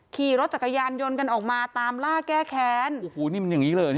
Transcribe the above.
ขี่รถจักรยานยนต์กันออกมาตามล่าแก้แค้นโอ้โหนี่มันอย่างนี้เลย